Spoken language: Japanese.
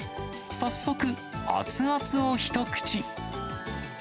早速、熱々を一口。